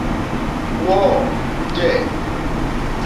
Wɔ́ɔ̂ njɛ̂.